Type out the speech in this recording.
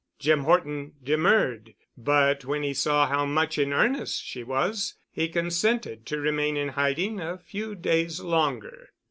Jim Horton demurred, but when he saw how much in earnest she was, he consented to remain in hiding a few days longer.